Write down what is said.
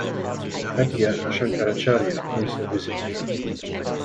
Adya Shankaracharya also visited.